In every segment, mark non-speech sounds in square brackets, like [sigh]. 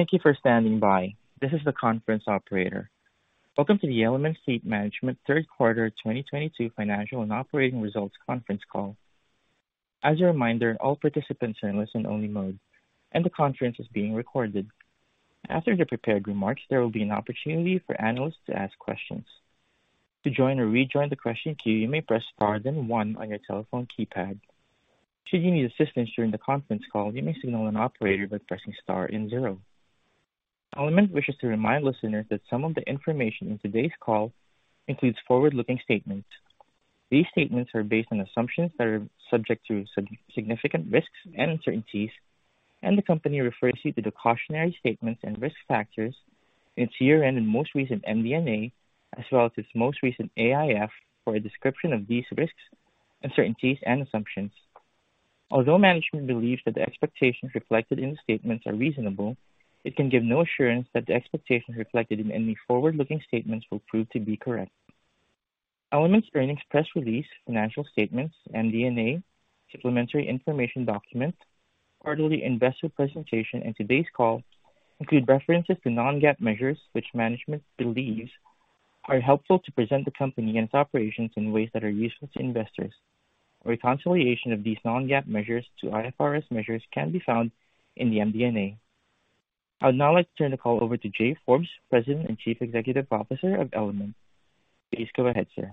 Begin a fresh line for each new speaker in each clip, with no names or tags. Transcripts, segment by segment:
Thank you for standing by. This is the conference operator. Welcome to the Element Fleet Management third quarter 2022 financial and operating results conference call. As a reminder, all participants are in listen only mode, and the conference is being recorded. After the prepared remarks, there will be an opportunity for analysts to ask questions. To join or rejoin the question queue, you may press star then one on your telephone keypad. Should you need assistance during the conference call, you may signal an operator by pressing star and zero. Element wishes to remind listeners that some of the information in today's call includes forward-looking statements. These statements are based on assumptions that are subject to significant risks and uncertainties, and the company refers you to the cautionary statements and risk factors in its year-end and most recent MD&A, as well as its most recent AIF, for a description of these risks, uncertainties and assumptions. Although management believes that the expectations reflected in the statements are reasonable, it can give no assurance that the expectations reflected in any forward-looking statements will prove to be correct. Element's earnings press release, financial statements, MD&A, supplementary information document, quarterly investor presentation, and today's call include references to non-GAAP measures, which management believes are helpful to present the company and its operations in ways that are useful to investors, or a reconciliation of these non-GAAP measures to IFRS measures can be found in the MD&A. I would now like to turn the call over to Jay Forbes, President and Chief Executive Officer of Element Fleet Management. Please go ahead, sir.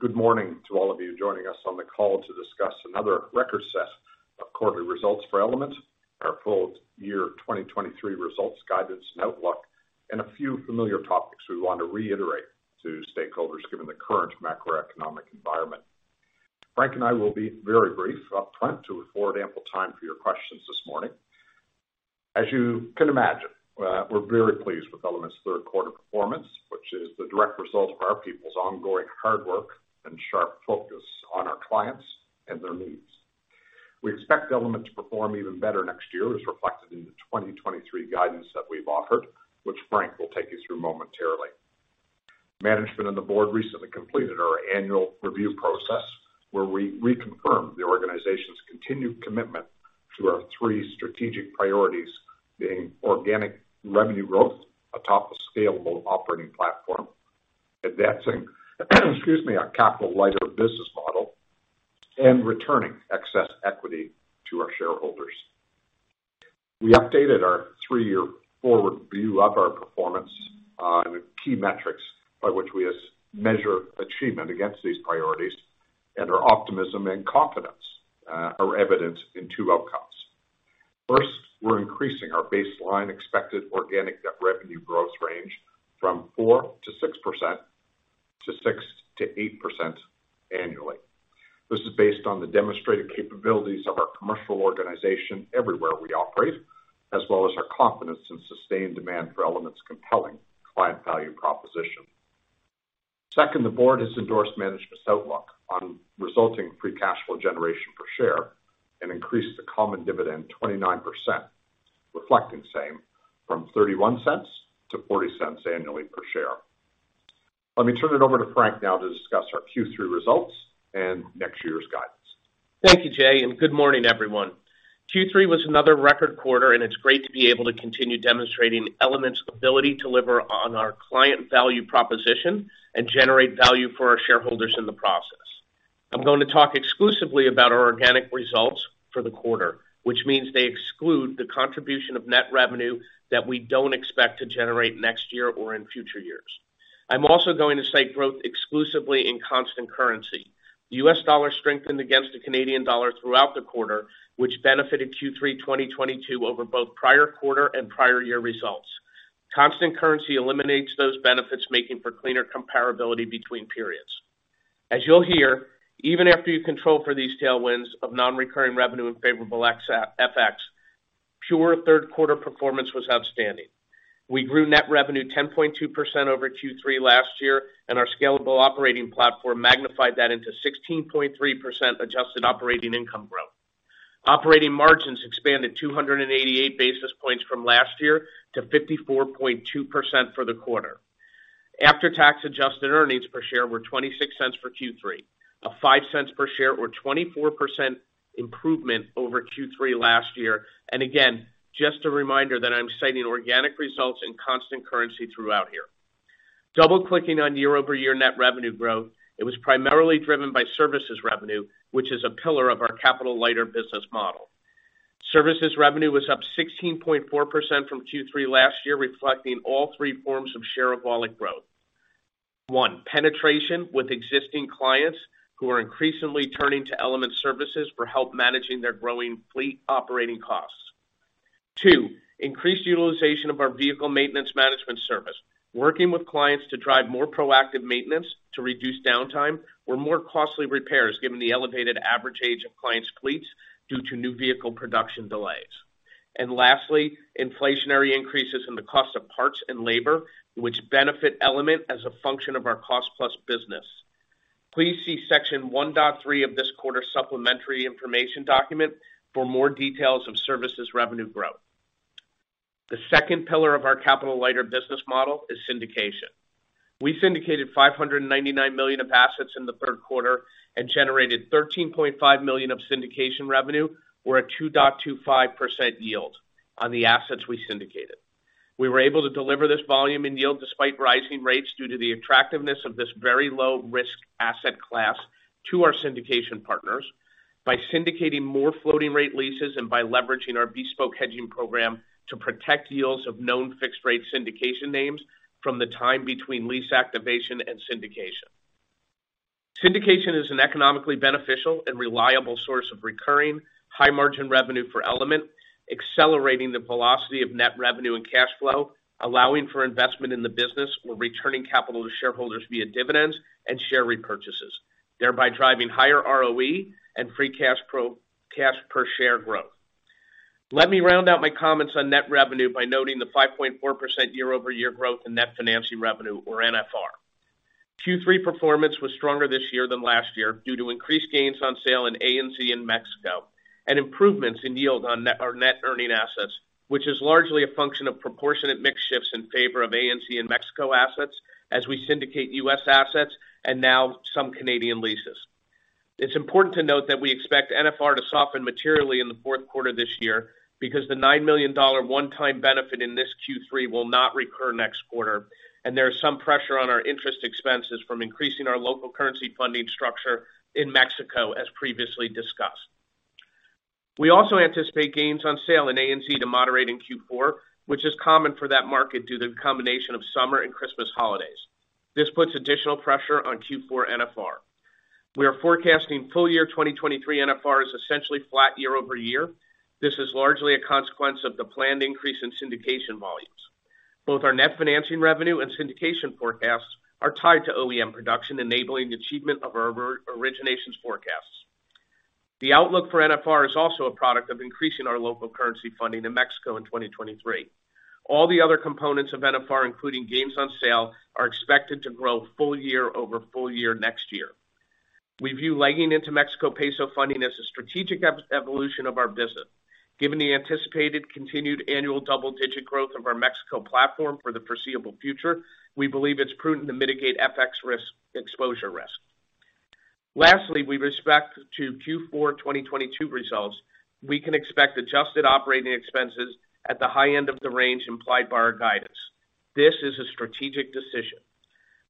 Good morning to all of you joining us on the call to discuss another record set of quarterly results for Element, our full year 2023 results guidance and outlook, and a few familiar topics we want to reiterate to stakeholders, given the current macroeconomic environment. Frank and I will be very brief up front to afford ample time for your questions this morning. As you can imagine, we're very pleased with Element's third quarter performance, which is the direct result of our people's ongoing hard work and sharp focus on our clients and their needs. We expect Element to perform even better next year, as reflected in the 2023 guidance that we've offered, which Frank will take you through momentarily. Management and the board recently completed our annual review process, where we reconfirmed the organization's continued commitment to our three strategic priorities being organic revenue growth atop a scalable operating platform, advancing, excuse me, our capital lighter business model, and returning excess equity to our shareholders. We updated our three-year forward view of our performance and the key metrics by which we measure achievement against these priorities and our optimism and confidence are evident in two outcomes. First, we're increasing our baseline expected organic net revenue growth range from 4%-6% to 6%-8% annually. This is based on the demonstrated capabilities of our commercial organization everywhere we operate, as well as our confidence in sustained demand for Element's compelling client value proposition. Second, the board has endorsed management's outlook on resulting Free Cash Flow generation per share and increased the common dividend 29%, reflecting same from 0.31-0.40 annually per share. Let me turn it over to Frank now to discuss our Q3 results and next year's guidance.
Thank you, Jay, and good morning, everyone. Q3 was another record quarter, and it's great to be able to continue demonstrating Element's ability to deliver on our client value proposition and generate value for our shareholders in the process. I'm going to talk exclusively about our organic results for the quarter, which means they exclude the contribution of net revenue that we don't expect to generate next year or in future years. I'm also going to cite growth exclusively in constant currency. The US dollar strengthened against the Canadian dollar throughout the quarter, which benefited Q3 2022 over both prior quarter and prior year results. Constant currency eliminates those benefits, making for cleaner comparability between periods. As you'll hear, even after you control for these tailwinds of non-recurring revenue and favorable FX, pure third quarter performance was outstanding. We grew net revenue 10.2% over Q3 last year, and our scalable operating platform magnified that into 16.3% adjusted operating income growth. Operating margins expanded 288 basis points from last year to 54.2% for the quarter. After tax adjusted earnings per share were 0.26 for Q3, a 0.05 per share or 24% improvement over Q3 last year. Again, just a reminder that I'm citing organic results in constant currency throughout here. Double-clicking on year-over-year net revenue growth, it was primarily driven by services revenue, which is a pillar of our capital lighter business model. Services revenue was up 16.4% from Q3 last year, reflecting all three forms of share of wallet growth. One, penetration with existing clients who are increasingly turning to Element services for help managing their growing fleet operating costs. Two, increased utilization of our vehicle maintenance management service, working with clients to drive more proactive maintenance to reduce downtime or more costly repairs given the elevated average age of clients' fleets due to new vehicle production delays. Lastly, inflationary increases in the cost of parts and labor, which benefit Element as a function of our cost-plus business. Please see section 1.3 of this quarter's supplementary information document for more details of services revenue growth. The second pillar of our capital-lighter business model is syndication. We syndicated 599 million of assets in the third quarter and generated 13.5 million of syndication revenue or a 2.25% yield on the assets we syndicated. We were able to deliver this volume and yield despite rising rates due to the attractiveness of this very low risk asset class to our syndication partners by syndicating more floating rate leases and by leveraging our bespoke hedging program to protect yields of known fixed rate syndication names from the time between lease activation and syndication. Syndication is an economically beneficial and reliable source of recurring high margin revenue for Element, accelerating the velocity of net revenue and cash flow, allowing for investment in the business or returning capital to shareholders via dividends and share repurchases, thereby driving higher ROE and free cash per share growth. Let me round out my comments on net revenue by noting the 5.4% year-over-year growth in net financing revenue, or NFR. Q3 performance was stronger this year than last year due to increased gains on sale in ANZ and Mexico and improvements in yield on net earning assets, which is largely a function of proportionate mix shifts in favor of ANZ and Mexico assets as we syndicate U.S. assets and now some Canadian leases. It's important to note that we expect NFR to soften materially in the fourth quarter this year because the 9 million dollar one-time benefit in this Q3 will not recur next quarter, and there is some pressure on our interest expenses from increasing our local currency funding structure in Mexico as previously discussed. We also anticipate gains on sale in ANZ to moderate in Q4, which is common for that market due to the combination of summer and Christmas holidays. This puts additional pressure on Q4 NFR. We are forecasting full-year 2023 NFR as essentially flat year-over-year. This is largely a consequence of the planned increase in syndication volumes. Both our net financing revenue and syndication forecasts are tied to OEM production, enabling the achievement of our originations forecasts. The outlook for NFR is also a product of increasing our local currency funding in Mexico in 2023. All the other components of NFR, including gains on sale, are expected to grow full year over full year next year. We view legging into Mexican peso funding as a strategic evolution of our business. Given the anticipated continued annual double-digit growth of our Mexico platform for the foreseeable future, we believe it's prudent to mitigate FX risk exposure. Lastly, with respect to Q4 2022 results, we can expect adjusted operating expenses at the high end of the range implied by our guidance. This is a strategic decision.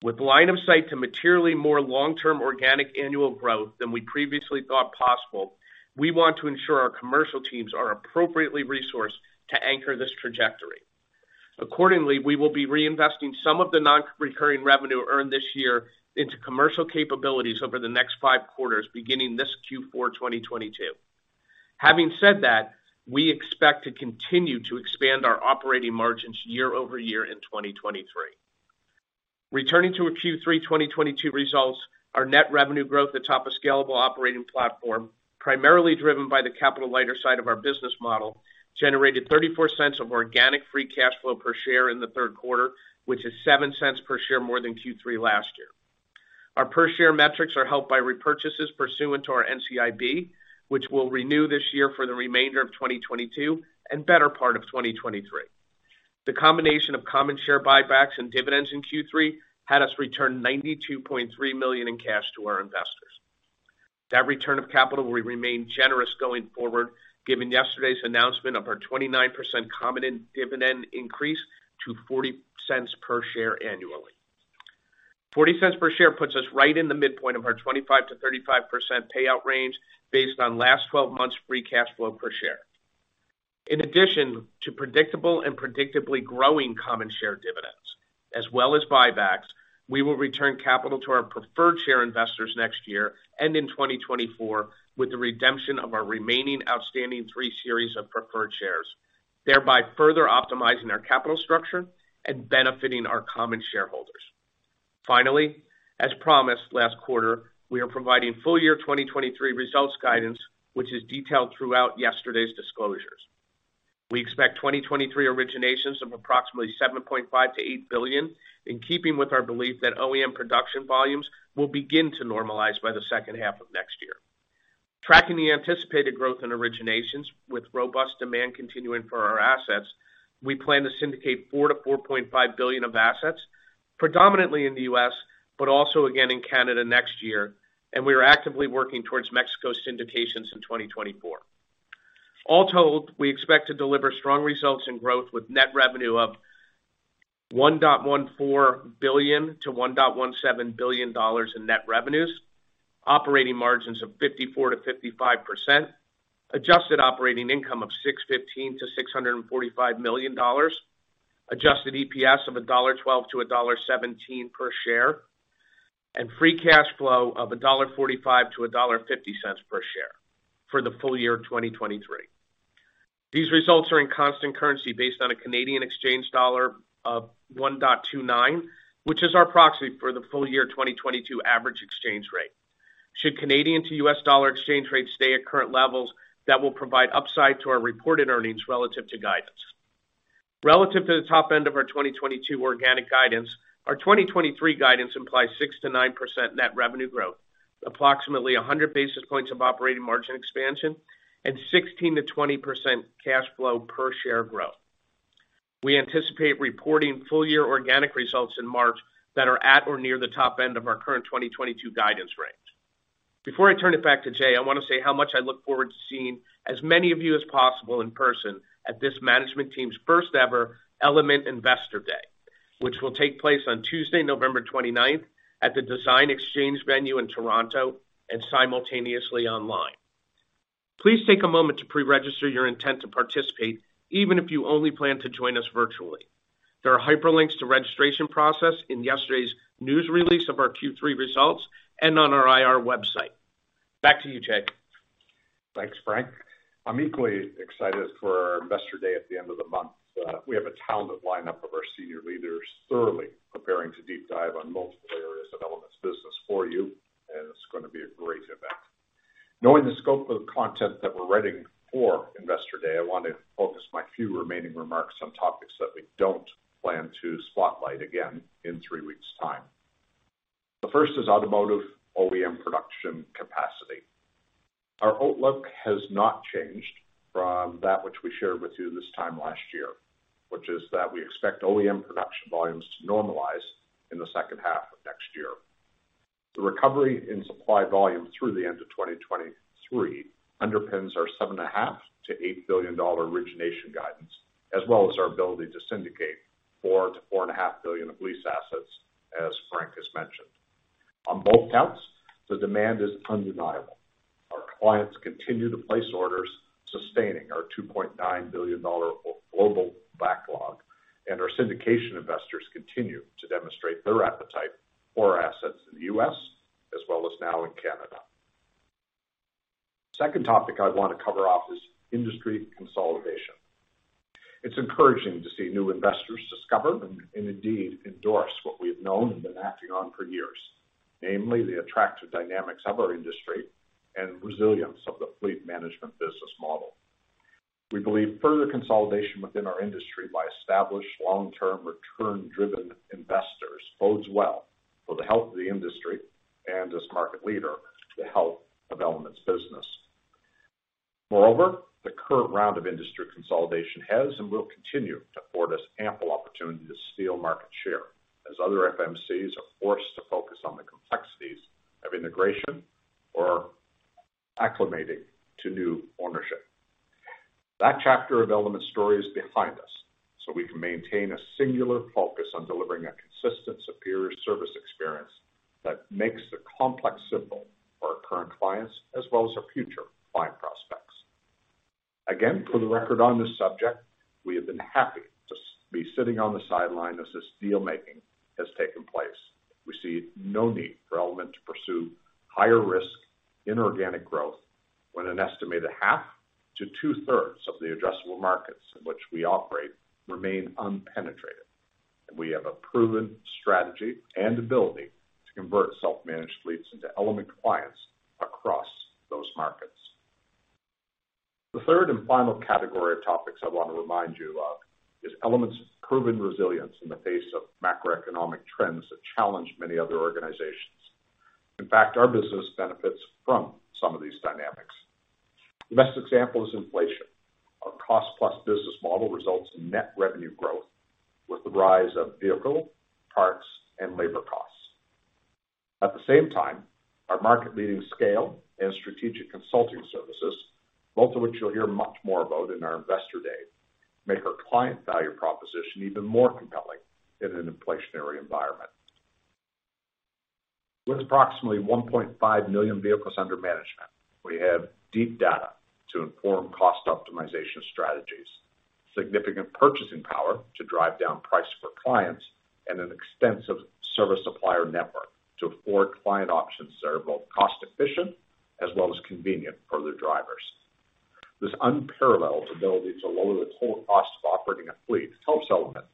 With line of sight to materially more long-term organic annual growth than we previously thought possible, we want to ensure our commercial teams are appropriately resourced to anchor this trajectory. Accordingly, we will be reinvesting some of the non-recurring revenue earned this year into commercial capabilities over the next five quarters, beginning this Q4 2022. Having said that, we expect to continue to expand our operating margins year-over-year in 2023. Returning to our Q3 2022 results, our net revenue growth atop a scalable operating platform, primarily driven by the capital lighter side of our business model, generated 0.34 of organic Free Cash Flow per share in the third quarter, which is 0.07 per share more than Q3 last year. Our per share metrics are helped by repurchases pursuant to our NCIB, which we'll renew this year for the remainder of 2022 and better part of 2023. The combination of common share buybacks and dividends in Q3 had us return 92.3 million in cash to our investors. That return of capital will remain generous going forward, given yesterday's announcement of our 29% common dividend increase to 0.40 per share annually. 0.40 per share puts us right in the midpoint of our 25%-35% payout range based on last twelve months Free Cash Flow per share. In addition to predictable and predictably growing common share dividends as well as buybacks, we will return capital to our preferred share investors next year and in 2024 with the redemption of our remaining outstanding three series of preferred shares, thereby further optimizing our capital structure and benefiting our common shareholders. Finally, as promised last quarter, we are providing full year 2023 results guidance, which is detailed throughout yesterday's disclosures. We expect 2023 originations of approximately 7.5 billion-8 billion, in keeping with our belief that OEM production volumes will begin to normalize by the second half of next year. Tracking the anticipated growth in originations with robust demand continuing for our assets, we plan to syndicate 4 billion-4.5 billion of assets, predominantly in the U.S., but also again in Canada next year. We are actively working towards Mexico syndications in 2024. All told, we expect to deliver strong results in growth with net revenue of $1.14 billion-$1.17 billion in net revenues, operating margins of 54%-55%, adjusted operating income of $615 million-$645 million, adjusted EPS of $1.12-$1.17 per share, and Free Cash Flow of $1.45-$1.50 per share for the full year of 2023. These results are in constant currency based on a Canadian exchange dollar of 1.29, which is our proxy for the full year of 2022 average exchange rate. Should Canadian to U.S. dollar exchange rates stay at current levels, that will provide upside to our reported earnings relative to guidance. Relative to the top end of our 2022 organic guidance, our 2023 guidance implies 6%-9% net revenue growth. Approximately 100 basis points of operating margin expansion and 16%-20% cash flow per share growth. We anticipate reporting full-year organic results in March that are at or near the top end of our current 2022 guidance range. Before I turn it back to Jay, I want to say how much I look forward to seeing as many of you as possible in person at this management team's first ever Element Investor Day, which will take place on Tuesday, November 29th at the Design Exchange Venue in Toronto and simultaneously online. Please take a moment to pre-register your intent to participate, even if you only plan to join us virtually. There are hyperlinks to registration process in yesterday's news release of our Q3 results and on our IR website. Back to you, Jay.
Thanks, Frank. I'm equally excited for our Investor Day at the end of the month. We have a talented lineup of our senior leaders thoroughly preparing to deep dive on multiple areas of Element's business for you, and it's going to be a great event. Knowing the scope of content that we're writing for Investor Day, I want to focus my few remaining remarks on topics that we don't plan to spotlight again in three weeks time. The first is automotive OEM production capacity. Our outlook has not changed from that which we shared with you this time last year, which is that we expect OEM production volumes to normalize in the second half of next year. The recovery in supply volume through the end of 2023 underpins our $7 and a half to $8 billion origination guidance, as well as our ability to syndicate $4-$4 and a half billion of lease assets, as Frank has mentioned. On both counts, the demand is undeniable. Our clients continue to place orders, sustaining our $ 2.9 billion global backlog. Our syndication investors continue to demonstrate their appetite for our assets in the U.S. as well as now in Canada. Second topic I want to cover off is industry consolidation. It's encouraging to see new investors discover and indeed endorse what we have known and been acting on for years, namely the attractive dynamics of our industry and resilience of the fleet management business model. We believe further consolidation within our industry by established long-term, return-driven investors bodes well for the health of the industry and as market leader, the health of Element's business. Moreover, the current round of industry consolidation has and will continue to afford us ample opportunity to steal market share as other FMCs are forced to focus on the complexities of integration or acclimating to new ownership. That chapter of Element story is behind us, so we can maintain a singular focus on delivering a consistent, superior service experience that makes the complex simple for our current clients as well as our future client prospects. Again, for the record on this subject, we have been happy to be sitting on the sidelines as this deal-making has taken place. We see no need for Element to pursue higher risk inorganic growth when an estimated half to two-thirds of the addressable markets in which we operate remain unpenetrated. We have a proven strategy and ability to convert self-managed fleets into Element clients across those markets. The third and final category of topics I want to remind you of is Element's proven resilience in the face of macroeconomic trends that challenge many other organizations. In fact, our business benefits from some of these dynamics. The best example is inflation. Our cost-plus business model results in net revenue growth with the rise of vehicle, parts, and labor costs. At the same time, our market-leading scale and strategic consulting services, both of which you'll hear much more about in our Investor Day, make our client value proposition even more compelling in an inflationary environment. With approximately 1.5 million vehicles under management, we have deep data to inform cost optimization strategies, significant purchasing power to drive down price for clients, and an extensive service supplier network to afford client options that are both cost efficient as well as convenient for their drivers. This unparalleled ability to lower the total cost of operating a fleet helps Element's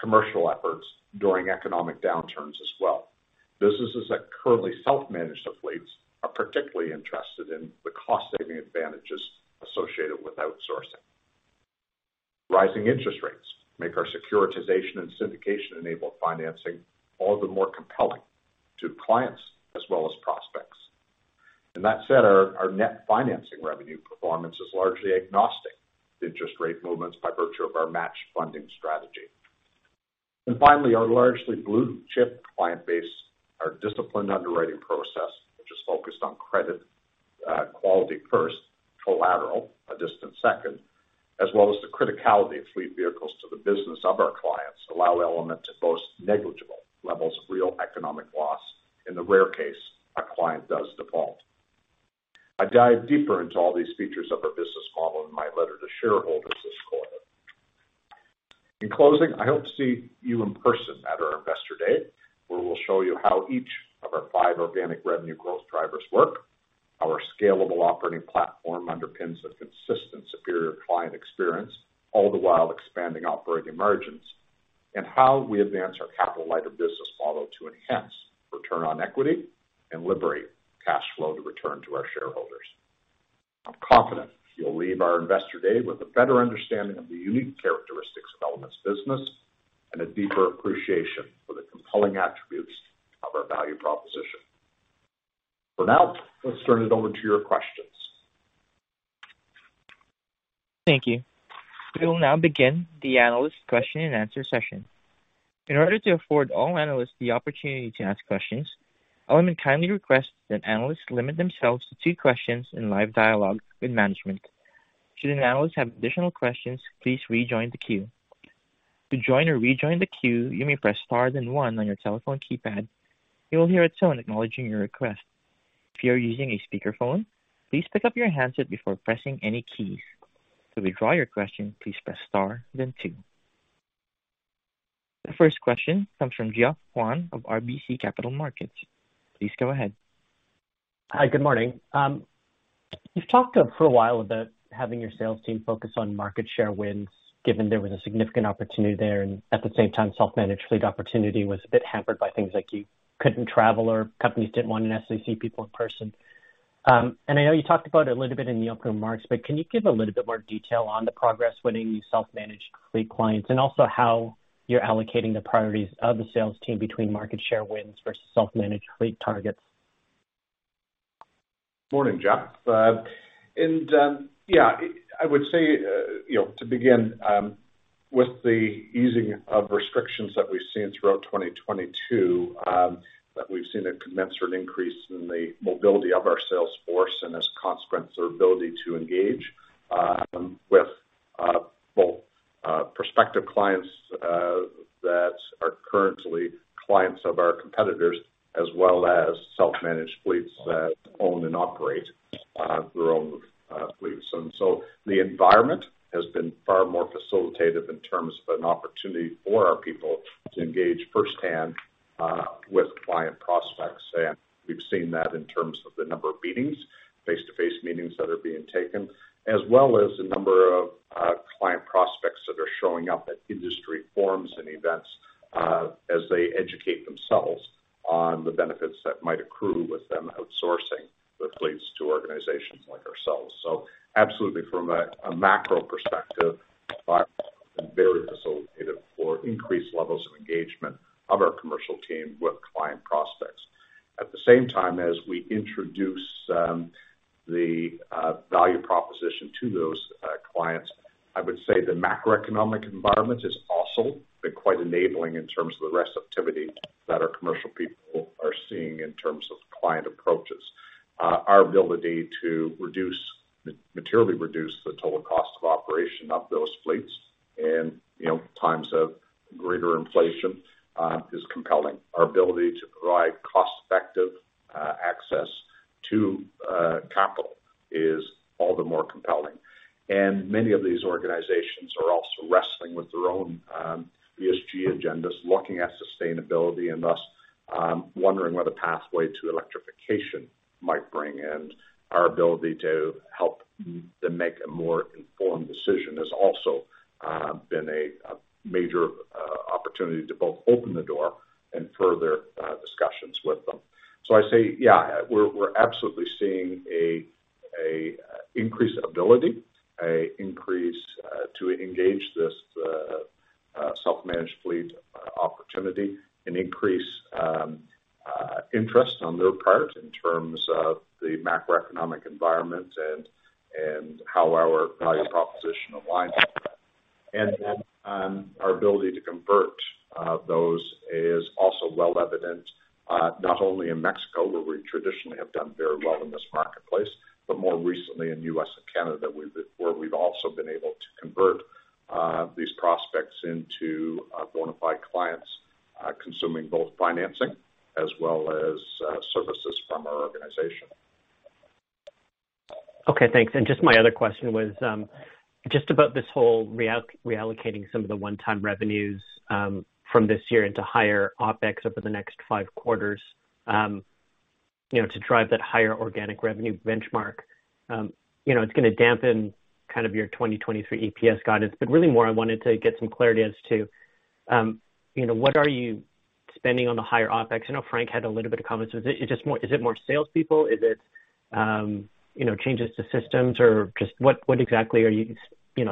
commercial efforts during economic downturns as well. Businesses that currently self-manage their fleets are particularly interested in the cost-saving advantages associated with outsourcing. Rising interest rates make our securitization and syndication-enabled financing all the more compelling to clients as well as prospects. That said, our net financing revenue performance is largely agnostic to interest rate movements by virtue of our matched funding strategy. Finally, our largely blue-chip client base, our disciplined underwriting process, which is focused on credit, quality first, collateral a distant second, as well as the criticality of fleet vehicles to the business of our clients, allow Element to boast negligible levels of real economic loss in the rare case a client does default. I dive deeper into all these features of our business model in my letter to shareholders this quarter. In closing, I hope to see you in person at our Investor Day, where we'll show you how each of our five organic revenue growth drivers work, how our scalable operating platform underpins a consistent superior client experience, all the while expanding operating margins, and how we advance our capital-light business model to enhance return on equity and liberate cash flow to return to our shareholders. You'll leave our Investor Day with a better understanding of the unique characteristics of Element's business and a deeper appreciation for the compelling attributes of our value proposition. For now, let's turn it over to your questions.
Thank you. We will now begin the analyst question-and-answer session. In order to afford all analysts the opportunity to ask questions, Element kindly requests that analysts limit themselves to two questions in live dialogue with management. Should an analyst have additional questions, please rejoin the queue. To join or rejoin the queue, you may press star then one on your telephone keypad. You will hear a tone acknowledging your request. If you are using a speakerphone, please pick up your handset before pressing any keys. To withdraw your question, please press star then two. The first question comes from Geoffrey Kwan of RBC Capital Markets. Please go ahead.
Hi. Good morning. You've talked for a while about having your sales team focus on market share wins, given there was a significant opportunity there, and at the same time, self-managed fleet opportunity was a bit hampered by things like you couldn't travel or companies didn't want to necessarily see people in person. I know you talked about it a little bit in the opening remarks, but can you give a little bit more detail on the progress winning these self-managed fleet clients and also how you're allocating the priorities of the sales team between market share wins versus self-managed fleet targets?
Morning, Geoffrey Kwan. I would say, you know, to begin with the easing of restrictions that we've seen throughout 2022, that we've seen a commensurate increase in the mobility of our sales force and as a consequence, their ability to engage with both prospective clients that are currently clients of our competitors, as well as self-managed fleets that own and operate their own fleets. The environment has been far more facilitative in terms of an opportunity for our people to engage firsthand with client prospects. We've seen that in terms of the number of meetings, face-to-face meetings that are being taken, as well as the number of client prospects that are showing up at industry forums and events, as they educate themselves on the benefits that might accrue with them outsourcing their fleets to organizations like ourselves. Absolutely, from a macro perspective, the environment has been very facilitative for increased levels of engagement of our commercial team with client prospects. At the same time as we introduce the value proposition to those clients, I would say the macroeconomic environment has also been quite enabling in terms of the receptivity that our commercial people are seeing in terms of client approaches. Our ability to reduce, materially reduce the total cost of operation of those fleets and, you know, times of greater inflation is compelling. Our ability to provide cost-effective access to capital is all the more compelling. Many of these organizations are also wrestling with their own ESG agendas, looking at sustainability and thus wondering what a pathway to electrification might bring. Our ability to help them make a more informed decision has also been a major opportunity to both open the door and further discussions with them. I say, yeah, we're absolutely seeing an increased ability to engage this self-managed fleet opportunity and increased interest on their part in terms of the macroeconomic environment and how our value proposition aligns with that. Our ability to convert those is also well evident, not only in Mexico, where we traditionally have done very well in this marketplace, but more recently in U.S. and Canada, where we've also been able to convert these prospects into bona fide clients consuming both financing as well as services from our organization.
Okay, thanks. Just my other question was, just about this whole reallocating some of the one-time revenues, from this year into higher OpEx over the next five quarters, you know, to drive that higher organic revenue benchmark. You know, it's gonna dampen kind of your 2023 EPS guidance, but really more I wanted to get some clarity as to, you know, what are you spending on the higher OpEx? I know Frank had a little bit of comments. Is it just more salespeople? Is it, you know, changes to systems or just what exactly are you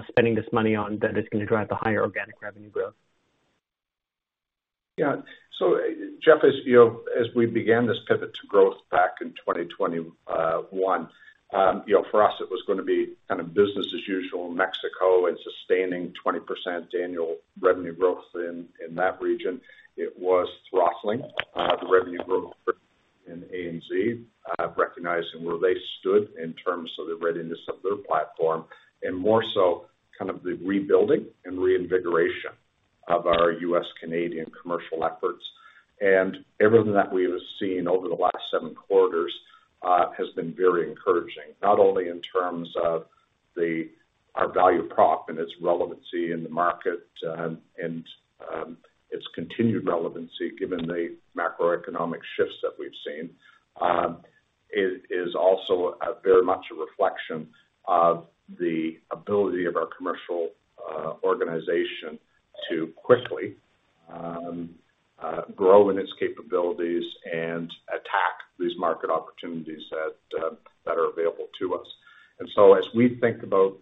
spending this money on that is gonna drive the higher organic revenue growth?
Yeah. Geoffrey Kwan, as you know, as we began this pivot to growth back in 2021, you know, for us it was gonna be kind of business as usual in Mexico and sustaining 20% annual revenue growth in that region. It was throttling the revenue growth in ANZ, recognizing where they stood in terms of the readiness of their platform and more so kind of the rebuilding and reinvigoration of our U.S.-Canadian commercial efforts. Everything that we have seen over the last seven quarters has been very encouraging, not only in terms of our value prop and its relevancy in the market, and its continued relevancy given the macroeconomic shifts that we've seen, is also very much a reflection of the ability of our commercial organization to quickly grow in its capabilities and attack these market opportunities that are available to us. As we think about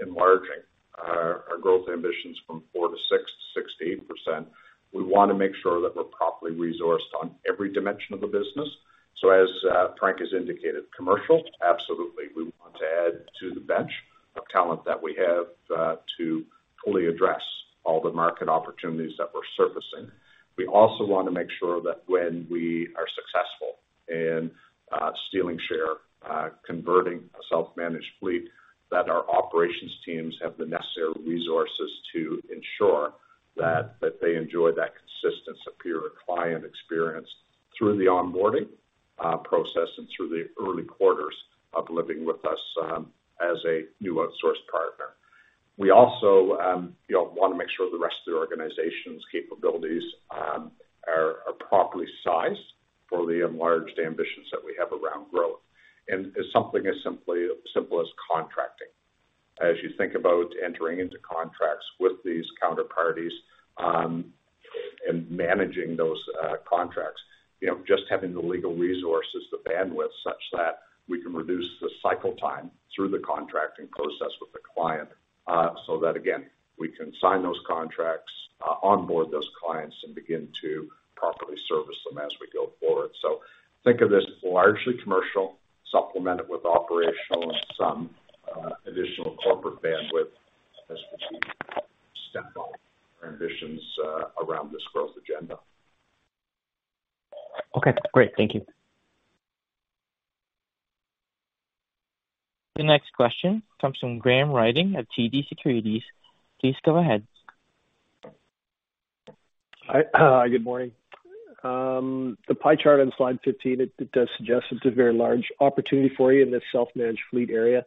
enlarging our growth ambitions from 4%-6%-8%, we want to make sure that we're properly resourced on every dimension of the business. As Frank has indicated, commercial, absolutely, we want to add to the bench of talent that we have to fully address all the market opportunities that we're surfacing. We also want to make sure that when we are successful in stealing share, converting a self-managed fleet, that our operations teams have the necessary resources to ensure that they enjoy that consistency of peer and client experience through the onboarding process and through the early quarters of living with us as a new outsource partner. We also, you know, want to make sure the rest of the organization's capabilities are properly sized for the enlarged ambitions that we have around growth. As something as simple as contracting. As you think about entering into contracts with these counterparties, and managing those, contracts, you know, just having the legal resources, the bandwidth such that we can reduce the cycle time through the contracting process with the client, so that again, we can sign those contracts, onboard those clients and begin to properly service them as we go forward. Think of this largely commercial, supplemented with operational and some, additional corporate bandwidth as we step up our ambitions, around this growth agenda.
Okay, great. Thank you. The next question comes from Graham Ryding at TD Securities. Please go ahead.
Hi. Good morning. The pie chart on slide 15, it does suggest it's a very large opportunity for you in this self-managed fleet area.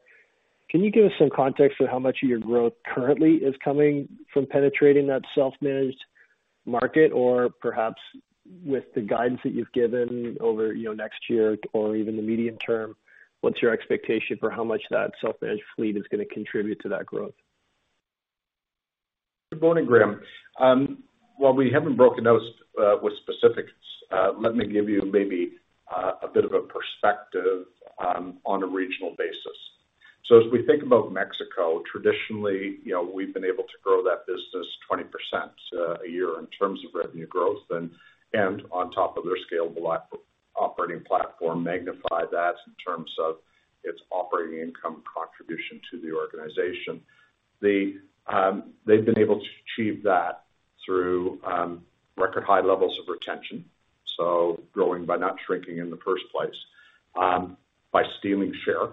Can you give us some context for how much of your growth currently is coming from penetrating that self-managed market? Or perhaps with the guidance that you've given over, you know, next year or even the medium term, what's your expectation for how much that self-managed fleet is gonna contribute to that growth?
Good morning, Graham. While we haven't broken those with specifics, let me give you maybe a bit of a perspective on a regional basis. As we think about Mexico, traditionally, you know, we've been able to grow that business 20% a year in terms of revenue growth and on top of their scalable operating platform, magnify that in terms of its operating income contribution to the organization. They've been able to achieve that through record high levels of retention, so growing by not shrinking in the first place, by stealing share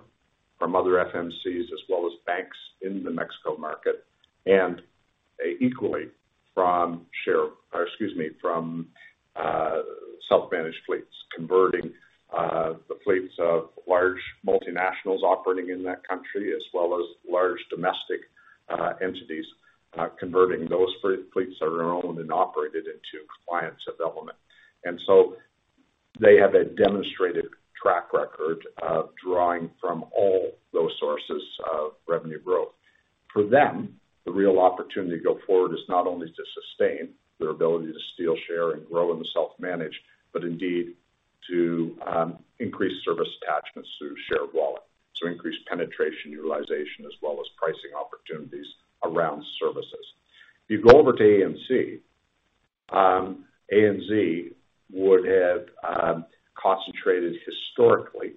from other FMCs as well as banks in the Mexico market, and equally from share, or excuse me, from self-managed fleets, converting the fleets of large multinationals operating in that country as well as large domestic entities, converting those fleets that are owned and operated into clients of Element. They have a demonstrated track record of drawing from all those sources of revenue growth. For them, the real opportunity to go forward is not only to sustain their ability to steal share and grow in the self-managed, but indeed to increase service attachments through shared wallet, to increase penetration utilization as well as pricing opportunities around services. If you go over to ANZ would have concentrated historically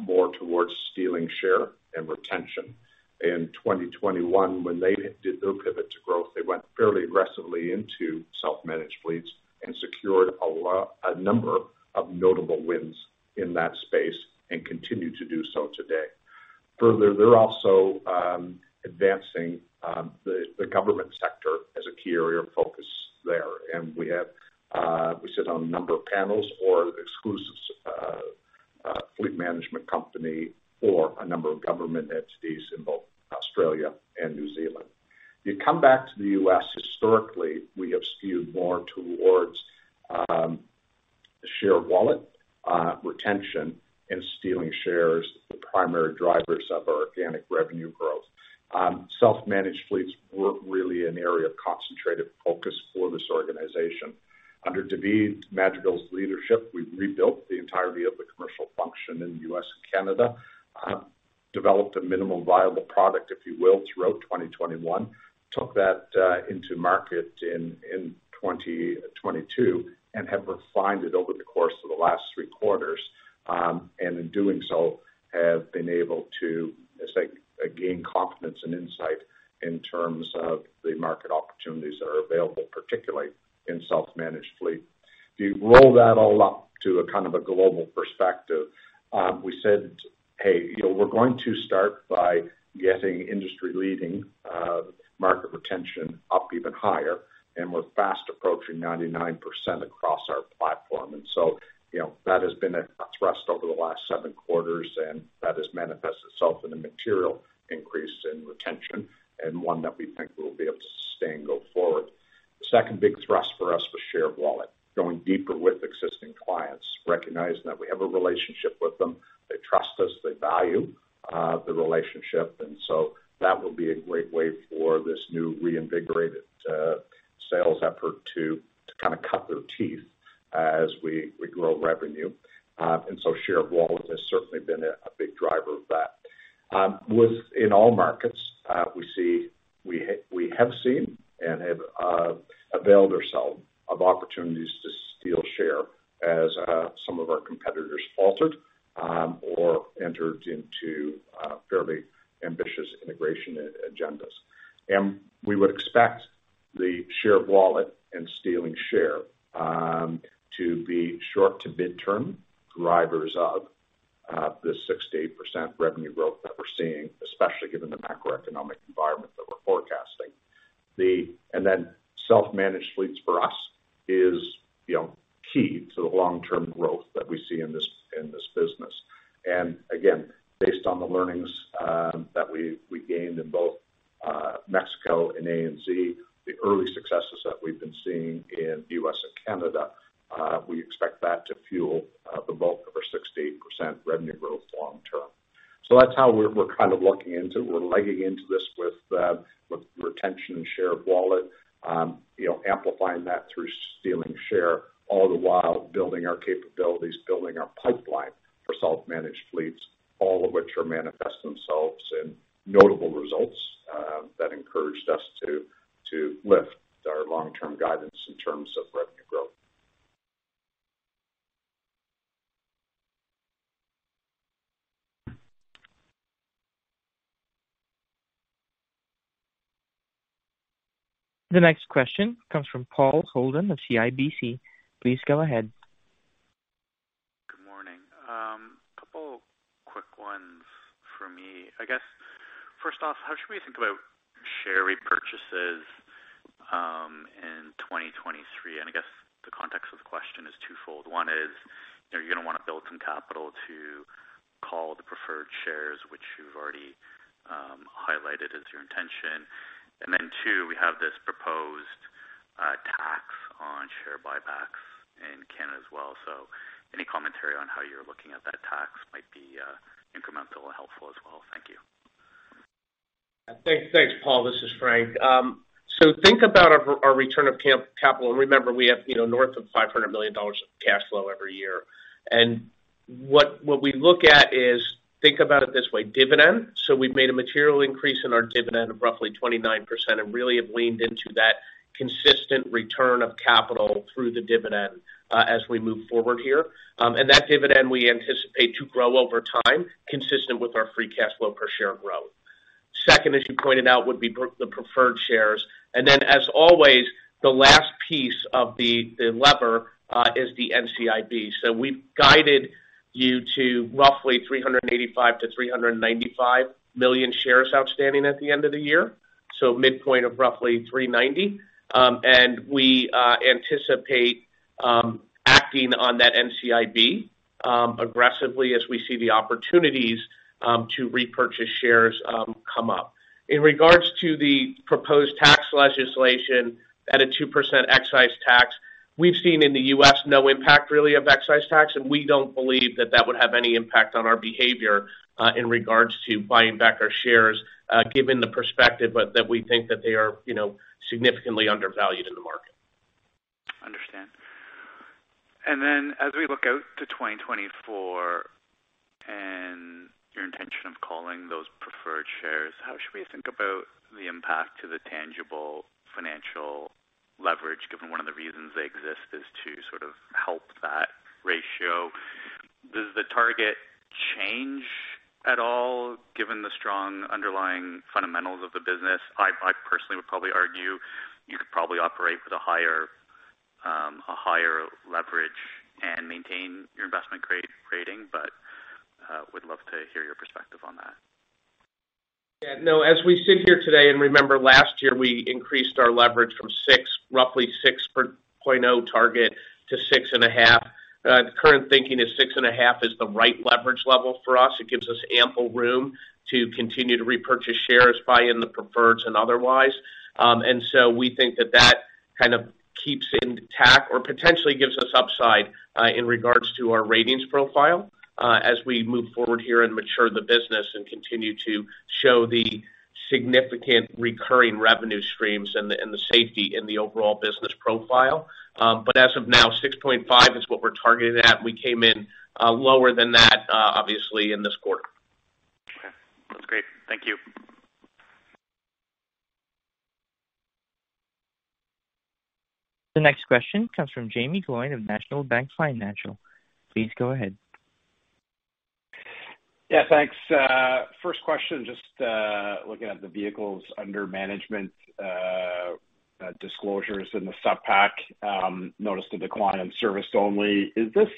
more towards stealing share and retention. In 2021, when they did their pivot to growth, they went fairly aggressively into self-managed fleets and secured a number of notable wins in that space and continue to do so today. Further, they're also advancing the government sector as a key area of focus there. We sit on a number of panels or exclusive fleet management company for a number of government entities in both Australia and New Zealand. You come back to the U.S. historically, we have skewed more towards shared wallet retention and stealing shares, the primary drivers of our organic revenue growth. Self-managed fleets weren't really an area of concentrated focus for this organization. Under David Madrigal's leadership, we've rebuilt the entirety of the commercial function in U.S. and Canada, developed a minimum viable product, if you will, throughout 2021, took that into market in 2022, and have refined it over the course of the last three quarters. In doing so, have been able to, I say, gain confidence and insight in terms of the market opportunities that are available, particularly in self-managed fleet. If you roll that all up to a kind of a global perspective, we said, "Hey, you know, we're going to start by getting industry-leading market retention up even higher," and we're fast approaching 99% across our platform. That has been a thrust over the last seven quarters, and that has manifested itself in a material increase in retention and one that we think we'll be able to sustain going forward. The second big thrust for us was share of wallet, going deeper with existing clients, recognizing that we have a relationship with them. They trust us. They value the relationship. That will be a great way for this new reinvigorated sales effort to kind of cut their teeth as we grow revenue. Share of wallet has certainly been a big driver of that. In all markets, we have seen and have availed ourselves of opportunities to steal share as some of our competitors faltered or entered into fairly ambitious integration agendas. We would expect the share of wallet and stealing share to be short- to mid-term drivers of the 6%-8% revenue growth that we're seeing, especially given the macroeconomic environment that we're forecasting. Self-managed fleets for us is, you know, key to the long-term growth that we see in this business. Based on the learnings that we gained in both Mexico and ANZ, the early successes that we've been seeing in U.S. and Canada, we expect that to fuel the bulk of our 6%-8% revenue growth long term. That's how we're kind of looking into. We're legging into this with retention and share of wallet, you know, amplifying that through stealing share, all the while building our capabilities, building our pipeline for self-managed fleets, all of which are manifest themselves in notable results, that encouraged us to lift our long-term guidance in terms of revenue growth.
The next question comes from Paul Holden of CIBC. Please go ahead.
Good morning. Couple quick ones for me. I guess, first off, how should we think about share repurchases in 2023? I guess the context of the question is twofold. One is, you know, you're gonna wanna build some capital to call the preferred shares, which you've already highlighted as your intention. Then two, we have this proposed tax on share buybacks in Canada as well. Any commentary on how you're looking at that tax might be incremental or helpful as well. Thank you.
Thanks. Thanks, Paul. This is Frank. Think about our return of capital, and remember, we have, you know, north of 500 million dollars of cash flow every year. What we look at is, think about it this way, dividend. We've made a material increase in our dividend of roughly 29% and really have leaned into that consistent return of capital through the dividend as we move forward here. That dividend we anticipate to grow over time consistent with our Free Cash Flow per share growth. Second, as you pointed out, would be the preferred shares. As always, the last piece of the lever is the NCIB. We've guided you to roughly 385 million-395 million shares outstanding at the end of the year, midpoint of roughly 390. We anticipate acting on that NCIB aggressively as we see the opportunities to repurchase shares come up. In regards to the proposed tax legislation at a 2% excise tax, we've seen in the U.S. no impact really of excise tax, and we don't believe that would have any impact on our behavior in regards to buying back our shares, given the perspective that we think that they are, you know, significantly undervalued in the market.
Understood. Then as we look out to 2024 and your intention of calling those preferred shares, how should we think about the impact to the tangible financial leverage, given one of the reasons they exist is to sort of help that ratio? Does the target change at all given the strong underlying fundamentals of the business? I personally would probably argue you could probably operate with a higher leverage and maintain your investment grade rating, but would love to hear your perspective on that.
Yeah, no, as we sit here today, remember last year, we increased our leverage from 6, roughly 6.0 target to 6.5. The current thinking is 6.5 is the right leverage level for us. It gives us ample room to continue to repurchase shares, buy in the preferreds and otherwise. We think that that kind of keeps intact or potentially gives us upside in regards to our ratings profile as we move forward here and mature the business and continue to show the significant recurring revenue streams and the safety in the overall business profile. As of now, 6.5 is what we're targeting at, and we came in lower than that, obviously in this quarter.
Okay. That's great. Thank you.
The next question comes from Jaeme Gloyn of National Bank Financial. Please go ahead.
Yeah, thanks. First question, just looking at the vehicles under management disclosures in the supp pack, notice to decline on service only. Is this,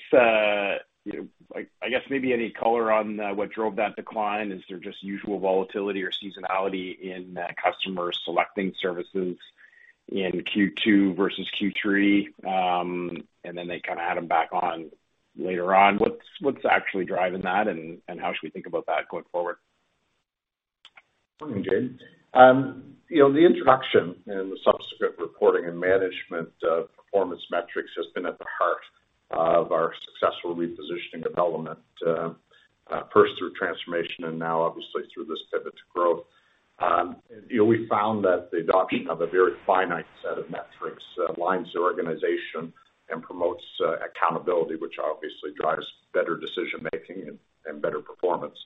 you know, like, I guess maybe any color on what drove that decline? Is there just usual volatility or seasonality in customers selecting services in Q2 versus Q3, and then they kind of add them back on later on? What's actually driving that, and how should we think about that going forward?
Morning, James. You know, the introduction and the subsequent reporting and management performance metrics has been at the heart of our successful repositioning development, first through transformation and now obviously through this pivot to growth. You know, we found that the adoption of a very finite set of metrics aligns the organization and promotes accountability, which obviously drives better decision making and better performance.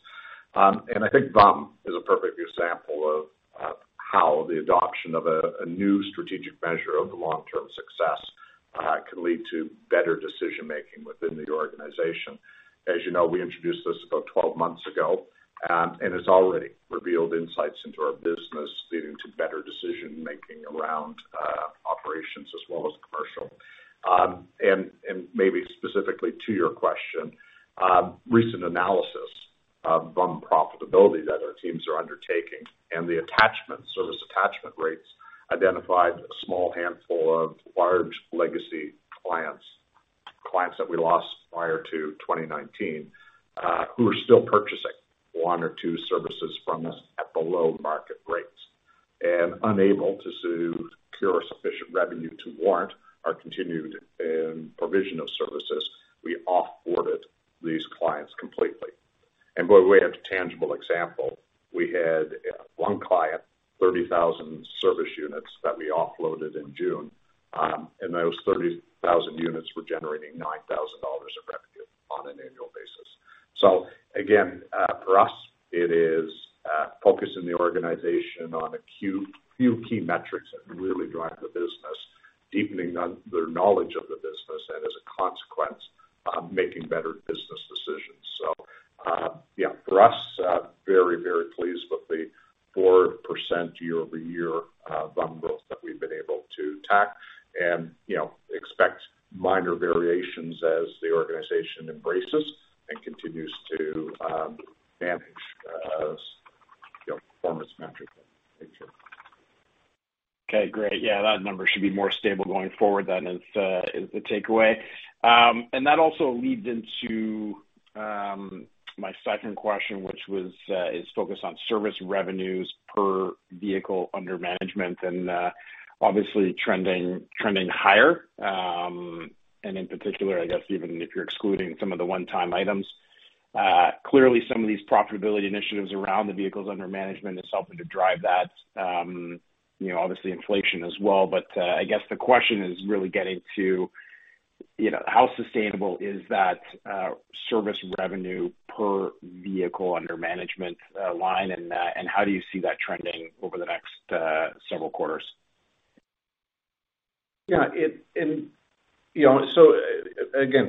I think VUM is a perfect example of how the adoption of a new strategic measure of long-term success can lead to better decision making within the organization. As you know, we introduced this about 12 months ago, and it's already revealed insights into our business leading to better decision making around operations as well as commercial. Maybe specifically to your question, recent analysis of VUM profitability that our teams are undertaking and the attachment service attachment rates identified a small handful of large legacy clients that we lost prior to 2019 who are still purchasing one or two services from us at below market rates. Unable to secure sufficient revenue to warrant our continued provision of services, we off-boarded these clients completely. By the way, as a tangible example, we had one client, 30,000 service units that we offloaded in June, and those 30,000 units were generating 9,000 dollars of revenue on an annual basis. Again, for us, it is focusing the organization on a few key metrics that really drive the business, deepening their knowledge of the business, and as a consequence, making better business decisions. Yeah, for us, very, very pleased with the 4% year-over-year VUM growth that we've been able to achieve and, you know, expect minor variations as the organization embraces and continues to manage, you know, performance metrics in the future.
Okay. Great. Yeah, that number should be more stable going forward then, is the takeaway. And that also leads into my second question, which was is focused on service revenues per vehicle under management and obviously trending higher. And in particular, I guess even if you're excluding some of the one-time items, clearly some of these profitability initiatives around the vehicles under management is helping to drive that, you know, obviously inflation as well. I guess the question is really getting to, you know, how sustainable is that service revenue per vehicle under management line, and how do you see that trending over the next several quarters?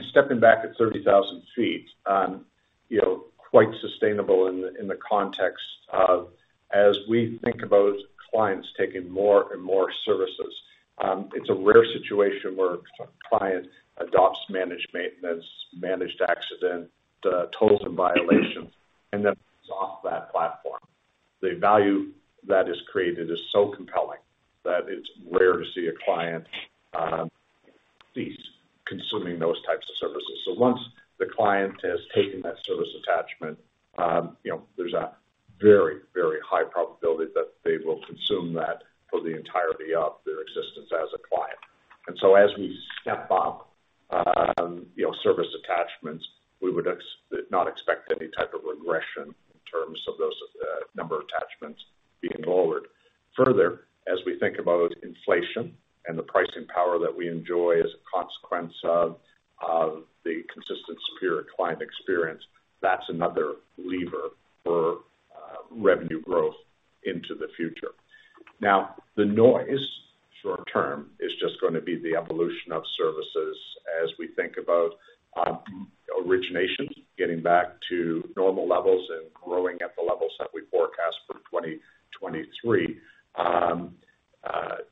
Stepping back at 30,000 feet, you know, quite sustainable in the context of as we think about clients taking more and more services. It's a rare situation where a client adopts managed maintenance, managed accident, tolls and violations, and then comes off that platform. The value that is created is so compelling that it's rare to see a client cease consuming those types of services. Once the client has taken that service attachment, you know, there's a very, very high probability that they will consume that for the entirety of their existence as a client. As we step up, you know, service attachments, we would not expect any type of regression in terms of those number attachments being lowered. Further, as we think about inflation and the pricing power that we enjoy as a consequence of the consistent superior client experience, that's another lever for revenue growth into the future. Now, the noise short term is just gonna be the evolution of services as we think about originations getting back to normal levels and growing at the levels that we forecast for 2023.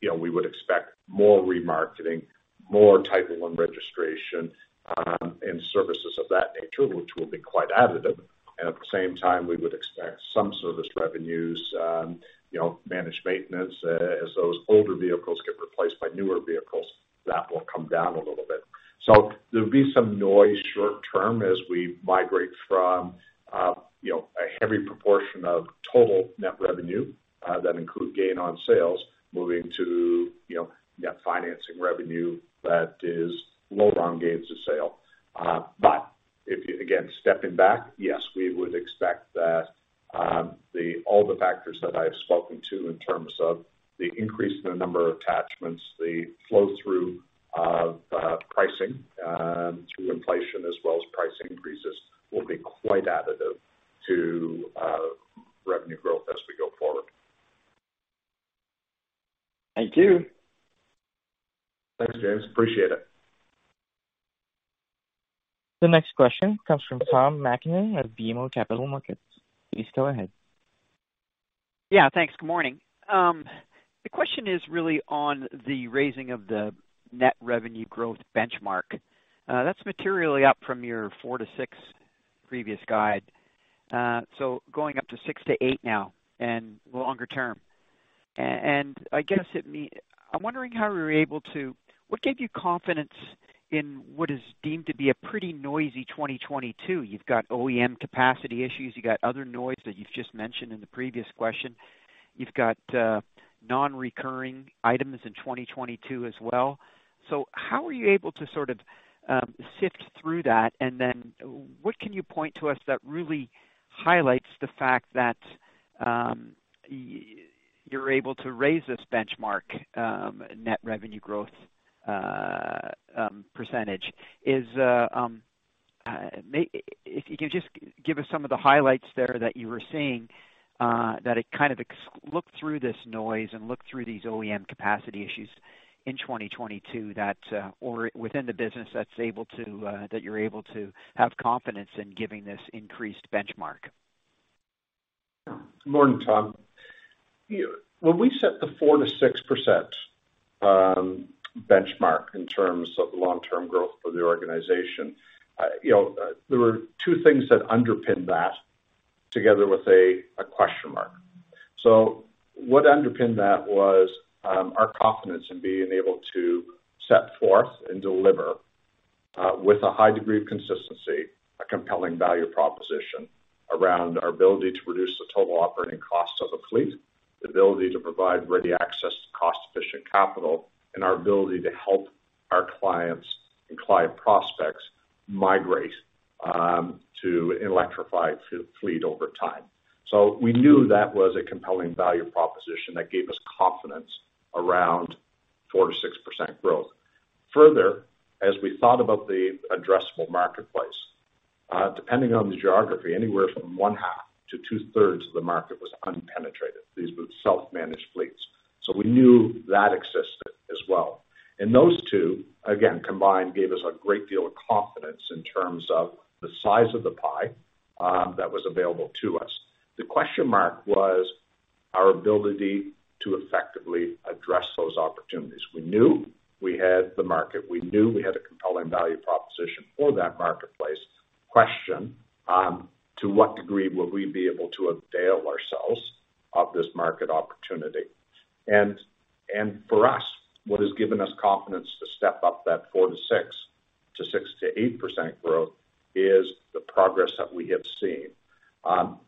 You know, we would expect more remarketing, more title and registration, and services of that nature, which will be quite additive. At the same time, we would expect some service revenues, you know, managed maintenance, as those older vehicles get replaced by newer vehicles, that will come down a little bit. There'll be some noise short term as we migrate from, you know, a heavy proportion of total net revenue that include gain on sales, moving to, you know, net financing revenue that is low on gains of sale. But if you, again, stepping back, yes, we would expect that all the factors that I've spoken to in terms of the increase in the number of attachments, the flow through of pricing through inflation as well as pricing increases will be quite additive to revenue growth as we go forward.
Thank you.
Thanks, James. Appreciate it.
The next question comes from Tom MacKinnon at BMO Capital Markets. Please go ahead.
Yeah, thanks. Good morning. The question is really on the raising of the net revenue growth benchmark. That's materially up from your 4%-6% previous guide. Going up to 6%-8% now and longer term. I'm wondering how you were able to. What gave you confidence in what is deemed to be a pretty noisy 2022? You've got OEM capacity issues, you got other noise that you've just mentioned in the previous question. You've got non-recurring items in 2022 as well. How are you able to sort of sift through that, and then what can you point to us that really highlights the fact that you're able to raise this benchmark net revenue growth percentage? If you can just give us some of the highlights there that you were seeing that it kind of look through this noise and look through these OEM capacity issues in 2022 that or within the business that's able to that you're able to have confidence in giving this increased benchmark.
Good morning, Tom. When we set the 4%-6% benchmark in terms of long-term growth for the organization, you know, there were two things that underpinned that together with a question mark. What underpinned that was our confidence in being able to set forth and deliver with a high degree of consistency, a compelling value proposition around our ability to reduce the total operating cost of a fleet, the ability to provide ready access to cost-efficient capital, and our ability to help our clients and client prospects migrate to an electrified fleet over time. We knew that was a compelling value proposition that gave us confidence around 4%-6% growth. Further, as we thought about the addressable marketplace, depending on the geography, anywhere from 1/2-2/3 of the market was unpenetrated. These were self-managed fleets. We knew that existed as well. Those two, again, combined, gave us a great deal of confidence in terms of the size of the pie that was available to us. The question mark was our ability to effectively address those opportunities. We knew we had the market. We knew we had a compelling value proposition for that marketplace. Question, to what degree will we be able to avail ourselves of this market opportunity? And for us, what has given us confidence to step up that 4%-6% to 6%-8% growth is the progress that we have seen,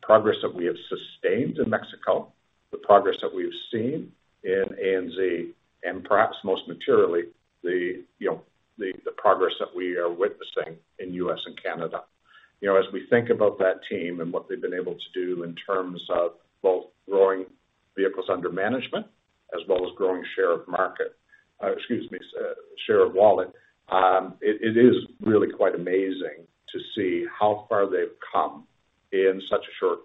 progress that we have sustained in Mexico, the progress that we've seen in ANZ, and perhaps most materially, you know, the progress that we are witnessing in U.S. and Canada. You know, as we think about that team and what they've been able to do in terms of both growing vehicles under management as well as growing share of market, excuse me, share of wallet, it is really quite amazing to see how far they've come in such a short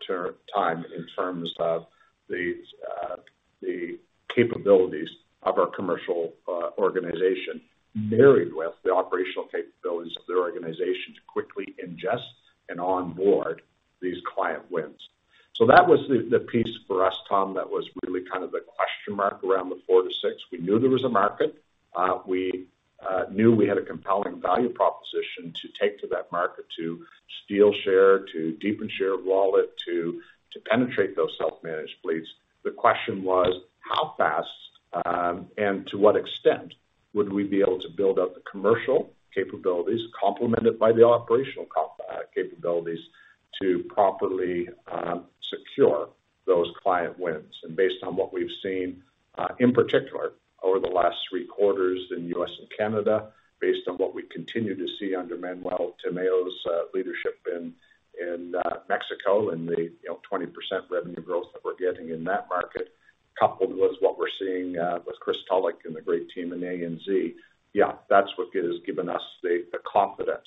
time in terms of the capabilities of our commercial organization married with the operational capabilities of their organization to quickly ingest and onboard these client wins. That was the piece for us, Tom, that was really kind of the question mark around the 4-6. We knew there was a market. We knew we had a compelling value proposition to take to that market to steal share, to deepen share of wallet, to penetrate those self-managed fleets. The question was how fast, and to what extent would we be able to build out the commercial capabilities complemented by the operational capabilities to properly secure those client wins. Based on what we've seen, in particular over the last three quarters in U.S. and Canada, based on what we continue to see under Manuel Tamayo's leadership in Mexico and the, you know, 20% revenue growth that we're getting in that market, coupled with what we're seeing with Chris Tulloch and the great team in ANZ. Yeah, that's what has given us the confidence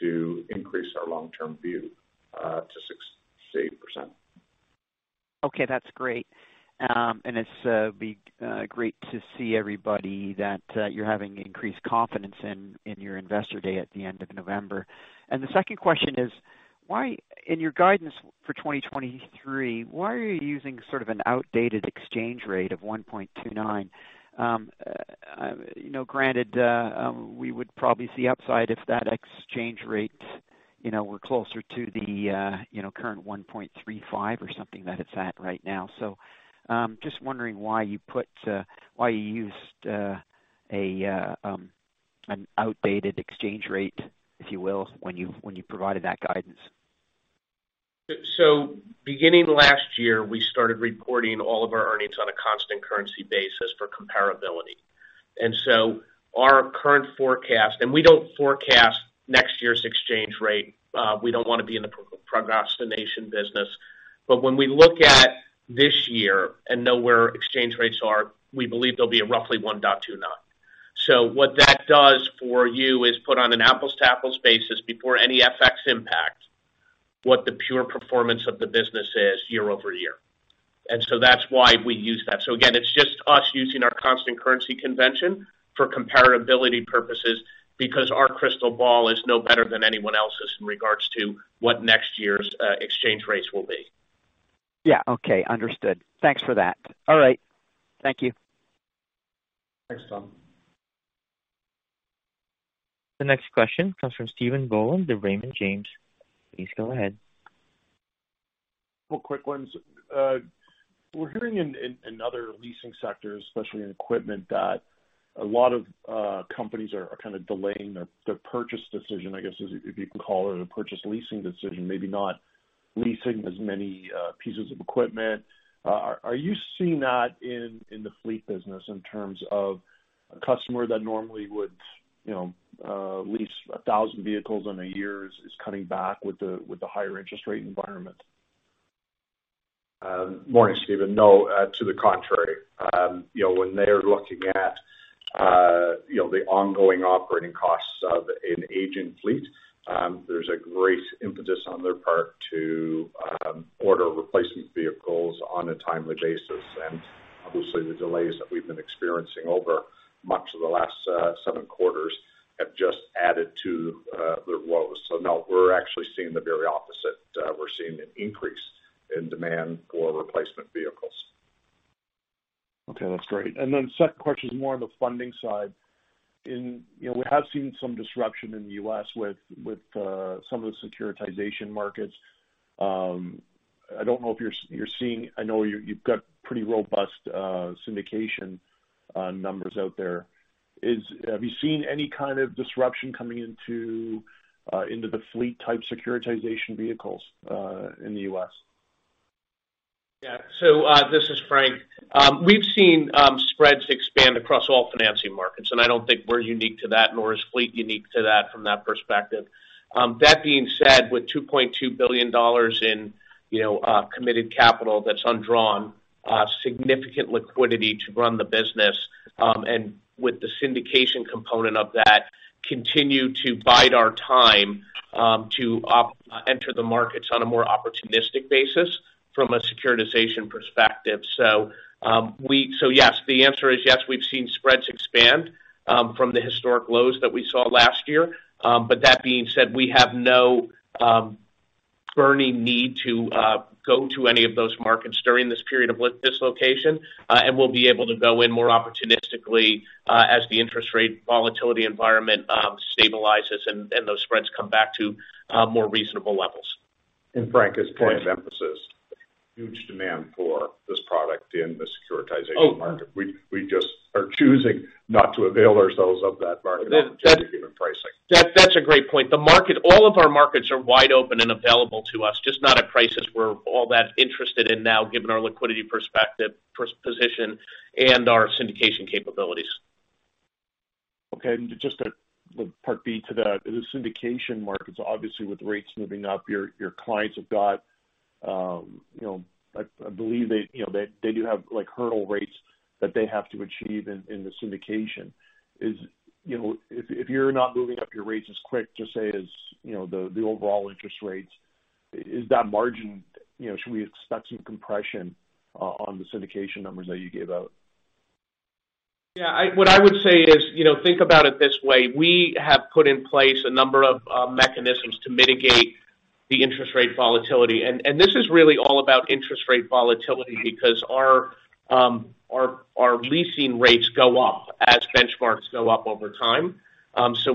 to increase our long-term view to 6%-8%.
Okay, that's great. It'd be great to see everybody that you're having increased confidence in your Investor Day at the end of November. The second question is, why in your guidance for 2023, why are you using sort of an outdated exchange rate of 1.29? You know, granted, we would probably see upside if that exchange rate, you know, were closer to the, you know, current 1.35 or something that it's at right now. Just wondering why you used an outdated exchange rate, if you will, when you provided that guidance.
Beginning last year, we started reporting all of our earnings on a constant currency basis for comparability. Our current forecast. We don't forecast next year's exchange rate. We don't want to be in the prognostication business. When we look at this year and know where exchange rates are, we believe there'll be a roughly 1.29. What that does for you is put on an apples to apples basis before any FX impact, what the pure performance of the business is year-over-year. That's why we use that. Again, it's just us using our constant currency convention for comparability purposes because our crystal ball is no better than anyone else's in regards to what next year's exchange rates will be.
Yeah. Okay. Understood. Thanks for that.
All right. Thank you.
Thanks, Tom.
The next question comes from Stephen Boland of Raymond James. Please go ahead.
Four quick ones. We're hearing in other leasing sectors, especially in equipment, that a lot of companies are kind of delaying their purchase decision, I guess, if you can call it a purchase leasing decision, maybe not leasing as many pieces of equipment. Are you seeing that in the fleet business in terms of a customer that normally would lease 1,000 vehicles in a year is cutting back with the higher interest rate environment?
Morning, Stephen. No, to the contrary. You know, when they're looking at, you know, the ongoing operating costs of an aging fleet, there's a great impetus on their part to order replacement vehicles on a timely basis. Obviously, the delays that we've been experiencing over much of the last seven quarters have just added to their woes. No, we're actually seeing the very opposite. We're seeing an increase in demand for replacement vehicles.
Okay, that's great. Second question is more on the funding side. You know, we have seen some disruption in the U.S. with some of the securitization markets. I don't know if you're seeing. I know you've got pretty robust syndication numbers out there. Have you seen any kind of disruption coming into the fleet-type securitization vehicles in the U.S.?
Yeah, this is Frank. We've seen spreads expand across all financing markets, and I don't think we're unique to that, nor is Fleet unique to that from that perspective. That being said, with 2.2 billion dollars in, you know, committed capital that's undrawn, significant liquidity to run the business, and with the syndication component of that, continue to bide our time to enter the markets on a more opportunistic basis from a securitization perspective. Yes, the answer is yes, we've seen spreads expand from the historic lows that we saw last year. But that being said, we have no burning need to go to any of those markets during this period of dislocation. We'll be able to go in more opportunistically, as the interest rate volatility environment stabilizes and those spreads come back to more reasonable levels.
Frank, as [crosstalk] point of emphasis, huge demand for this product in the securitization [crosstalk] market.
Oh.
We just are choosing not to avail ourselves of that market opportunity given pricing.
That's a great point. The market, all of our markets are wide open and available to us, just not a crisis we're all that interested in now given our liquidity perspective, position and our syndication capabilities.
Okay. Just a part B to that. The syndication markets, obviously with rates moving up, your clients have got, you know, I believe they, you know, do have like hurdle rates that they have to achieve in the syndication. You know, if you're not moving up your rates as quick to say as, you know, the overall interest rates, is that margin, you know, should we expect some compression on the syndication numbers that you gave out?
Yeah. What I would say is, you know, think about it this way. We have put in place a number of mechanisms to mitigate the interest rate volatility. This is really all about interest rate volatility because our leasing rates go up as benchmarks go up over time.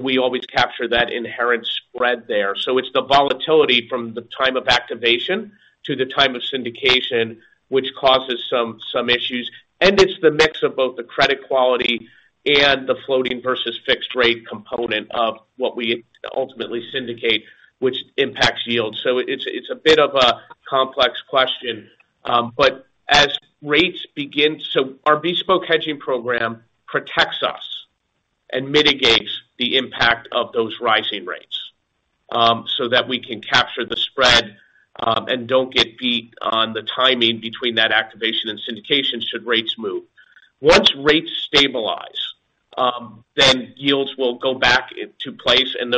We always capture that inherent spread there. It's the volatility from the time of activation to the time of syndication, which causes some issues. It's the mix of both the credit quality and the floating versus fixed rate component of what we ultimately syndicate, which impacts yields. It's a bit of a complex question. As rates begin. Our bespoke hedging program protects us and mitigates the impact of those rising rates, so that we can capture the spread, and don't get beat on the timing between that activation and syndication should rates move. Once rates stabilize, then yields will go back into place and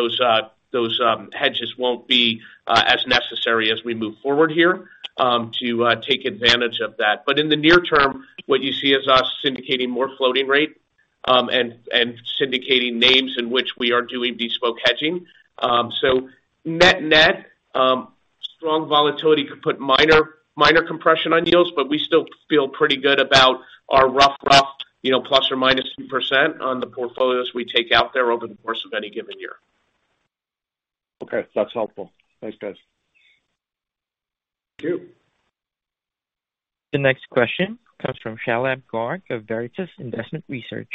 those hedges won't be as necessary as we move forward here to take advantage of that. In the near term, what you see is us syndicating more floating rate and syndicating names in which we are doing bespoke hedging. Net-net, strong volatility could put minor compression on deals, but we still feel pretty good about our rough, you know, ± 2% on the portfolios we take out there over the course of any given year.
Okay. That's helpful. Thanks, guys.
Thank you.
The next question comes from Shalabh Garg of Veritas Investment Research.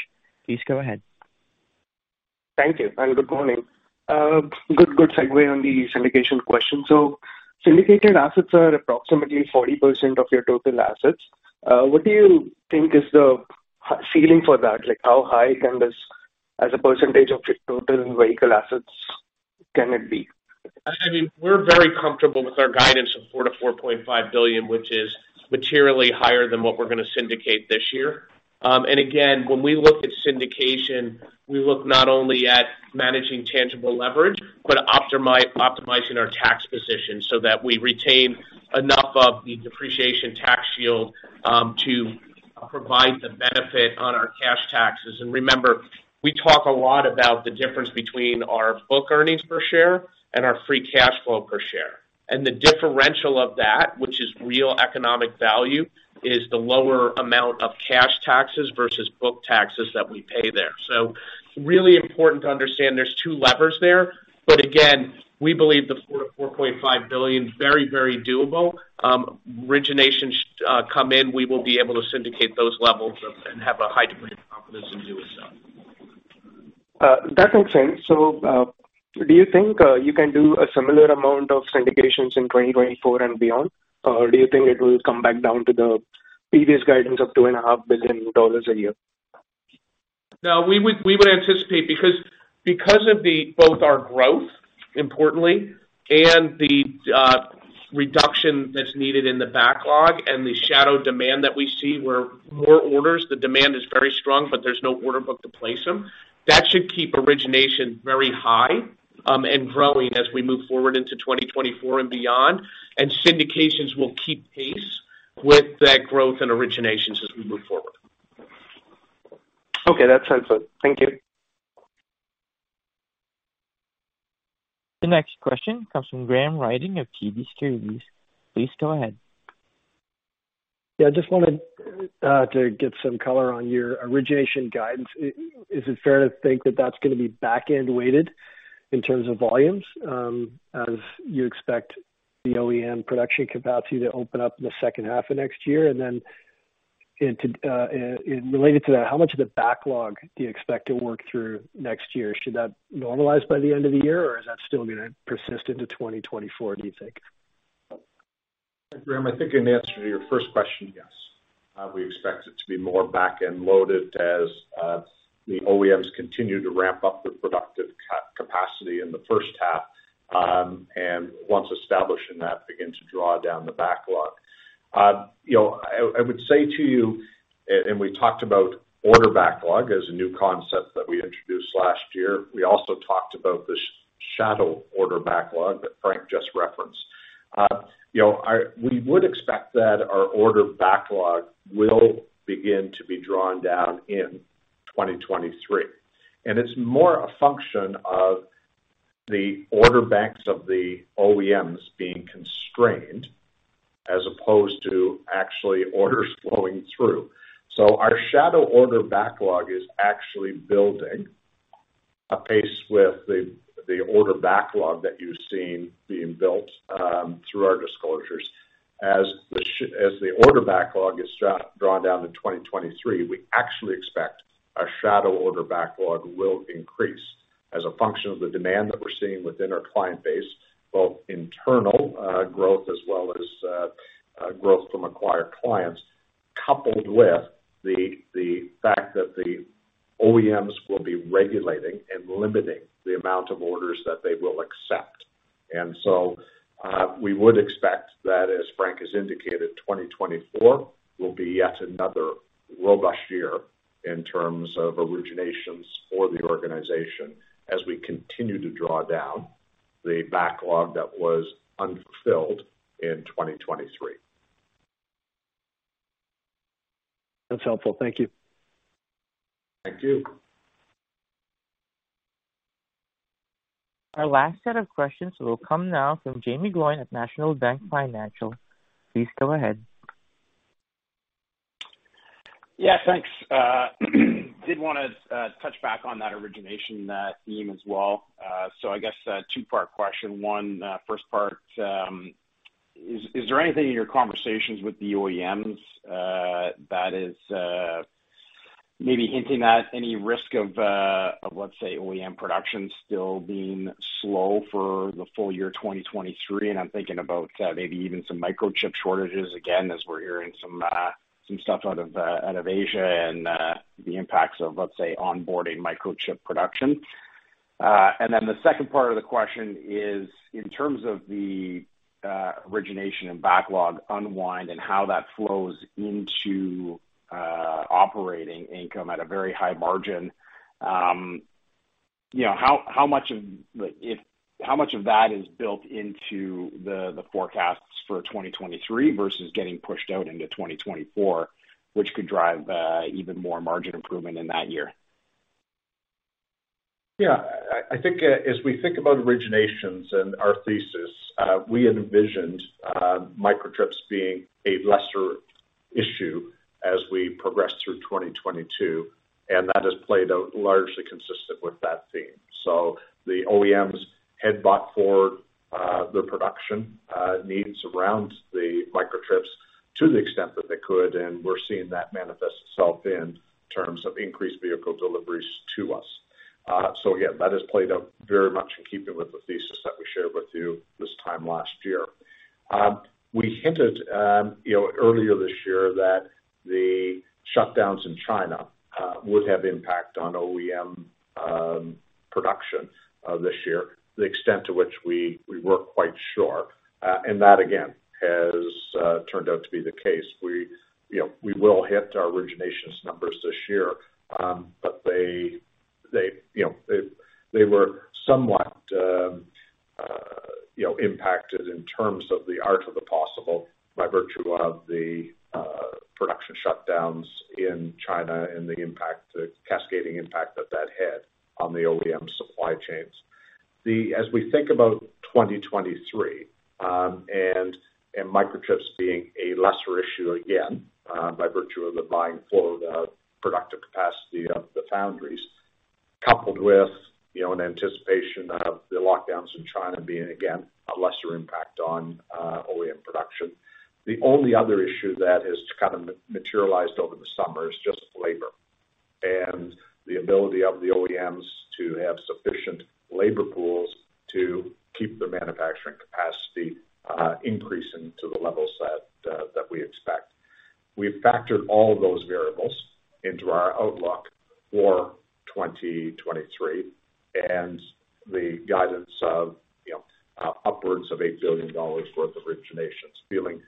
Please go ahead.
Thank you, and good morning. Good segue on the syndication question. Syndicated assets are approximately 40% of your total assets. What do you think is the feeling for that? Like, how high can this, as a percentage of your total vehicle assets can it be?
I mean, we're very comfortable with our guidance of 4 billion-4.5 billion, which is materially higher than what we're gonna syndicate this year. Again, when we look at syndication, we look not only at managing tangible leverage, but optimizing our tax position so that we retain enough of the depreciation tax shield. Provide the benefit on our cash taxes. Remember, we talk a lot about the difference between our book earnings per share and our Free Cash Flow per share. The differential of that, which is real economic value, is the lower amount of cash taxes versus book taxes that we pay there. Really important to understand there's two levers there, but again, we believe the 4 billion-4.5 billion very, very doable. Origination come in, we will be able to syndicate those levels and have a high degree of confidence in doing so.
That makes sense. Do you think you can do a similar amount of syndications in 2024 and beyond? Or do you think it will come back down to the previous guidance of 2.5 billion dollars a year?
No, we would anticipate because of both our growth, importantly, and the reduction that's needed in the backlog and the shadow demand that we see. The demand is very strong, but there's no order book to place them. That should keep origination very high and growing as we move forward into 2024 and beyond, and syndications will keep pace with that growth and originations as we move forward.
Okay, that's helpful. Thank you.
The next question comes from Graham Ryding of TD Securities. Please go ahead.
Yeah, I just wanted to get some color on your origination guidance. Is it fair to think that that's gonna be back-end weighted in terms of volumes, as you expect the OEM production capacity to open up in the second half of next year? Related to that, how much of the backlog do you expect to work through next year? Should that normalize by the end of the year, or is that still gonna persist into 2024, do you think?
Graham, I think in answer to your first question, yes. We expect it to be more back-end loaded as the OEMs continue to ramp up the productive capacity in the first half, and once established in that, begin to draw down the backlog. You know, I would say to you, and we talked about order backlog as a new concept that we introduced last year. We also talked about the shadow order backlog that Frank just referenced. You know, we would expect that our order backlog will begin to be drawn down in 2023. It's more a function of the order banks of the OEMs being constrained as opposed to actually orders flowing through. Our shadow order backlog is actually building apace with the order backlog that you've seen being built through our disclosures. As the order backlog is drawn down to 2023, we actually expect our shadow order backlog will increase as a function of the demand that we're seeing within our client base, both internal growth as well as growth from acquired clients, coupled with the fact that the OEMs will be regulating and limiting the amount of orders that they will accept. We would expect that, as Frank has indicated, 2024 will be yet another robust year in terms of originations for the organization as we continue to draw down the backlog that was unfulfilled in 2023.
That's helpful. Thank you.
Thank you.
Our last set of questions will come now from Jaeme Gloyn at National Bank Financial. Please go ahead.
Yeah, thanks. Did wanna touch back on that origination theme as well. So I guess a two-part question. One, first part, is there anything in your conversations with the OEMs that is maybe hinting at any risk of of let's say, OEM production still being slow for the full year 2023? I'm thinking about maybe even some microchip shortages again, as we're hearing some stuff out of out of Asia and the impacts of, let's say, onboarding microchip production. The second part of the question is, in terms of the origination and backlog unwind and how that flows into operating income at a very high margin, you know, how much of that is built into the forecasts for 2023 versus getting pushed out into 2024, which could drive even more margin improvement in that year?
Yeah. I think as we think about originations and our thesis, we had envisioned microchips being a lesser issue as we progress through 2022, and that has played out largely consistent with that theme. The OEMs had bought forward their production needs around the microchips to the extent that they could, and we're seeing that manifest itself in terms of increased vehicle deliveries to us. Again, that has played out very much in keeping with the thesis that we shared with you this time last year. We hinted, you know, earlier this year that the shutdowns in China would have impact on OEM production this year, the extent to which we weren't quite sure. That again has turned out to be the case. We, you know, we will hit our originations numbers this year, but they, you know, were somewhat. You know, impacted in terms of the art of the possible by virtue of the production shutdowns in China and the impact, the cascading impact that had on the OEM supply chains. As we think about 2023 and microchips being a lesser issue again by virtue of the buying flow of the productive capacity of the foundries, coupled with, you know, an anticipation of the lockdowns in China being again a lesser impact on OEM production. The only other issue that has kind of materialized over the summer is just labor and the ability of the OEMs to have sufficient labor pools to keep their manufacturing capacity increasing to the levels that we expect. We've factored all of those variables into our outlook for 2023, and the guidance of, you know, upwards of $8 billion worth of originations, feeling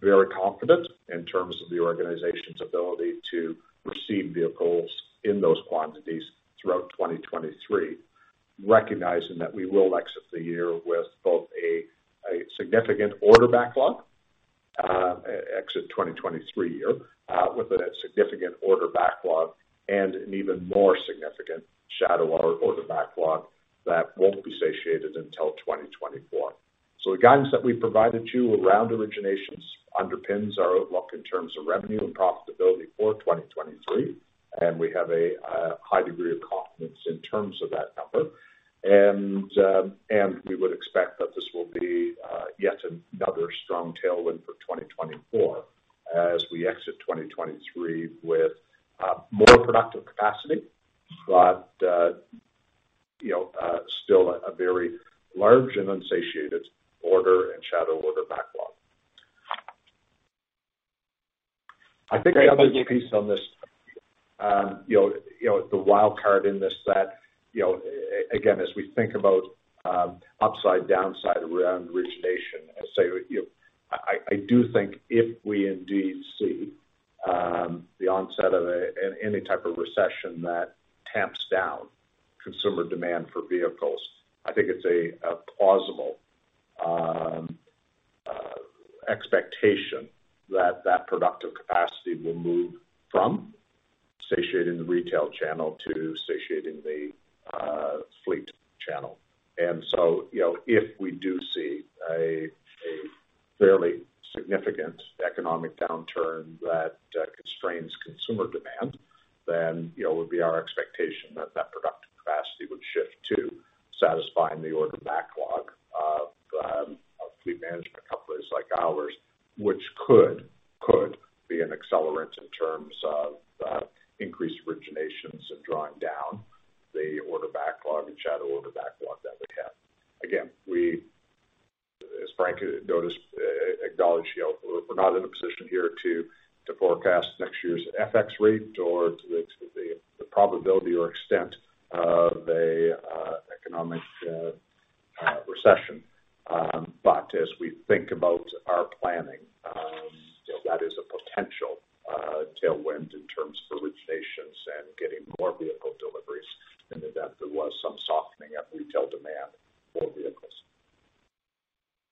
very confident in terms of the organization's ability to receive vehicles in those quantities throughout 2023, recognizing that we will exit the year with both a significant order backlog and an even more significant shadow order backlog that won't be satiated until 2024. The guidance that we provided you around originations underpins our outlook in terms of revenue and profitability for 2023, and we have a high degree of confidence in terms of that number. We would expect that this will be yet another strong tailwind for 2024 as we exit 2023 with more productive capacity, but you know, still a very large and unsatiated order and shadow order backlog. I think the other piece on this, you know, the wild card in this that, you know, again, as we think about upside downside around origination and say, you know, I do think if we indeed see the onset of any type of recession that tamps down consumer demand for vehicles, I think it's a plausible expectation that that productive capacity will move from satiating the retail channel to satiating the fleet channel. You know, if we do see a fairly significant economic downturn that constrains consumer demand, then, you know, it would be our expectation that productive capacity would shift to satisfying the order backlog of fleet management companies like ours, which could be an accelerant in terms of increased originations and drawing down the order backlog and shadow order backlog that we have. Again, as Frank acknowledged, you know, we're not in a position here to forecast next year's FX rate or the probability or extent of an economic recession. But as we think about our planning, you know, that is a potential tailwind in terms of originations and getting more vehicle deliveries in the event there was some softening of retail demand for vehicles.